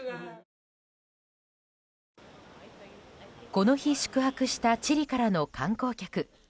この日、宿泊したチリからの観光客。